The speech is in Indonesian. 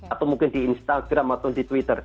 atau mungkin di instagram atau di twitter